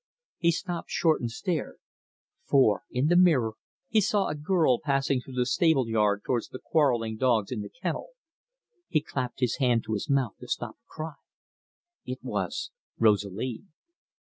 He stopped short and stared, for, in the mirror, he saw a girl passing through the stable yard towards the quarrelling dogs in the kennel. He clapped his hand to his mouth to stop a cry. It was Rosalie.